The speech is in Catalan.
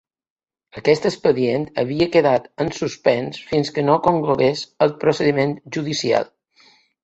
Aquest expedient havia quedat en suspens fins que no conclogués el procediment judicial.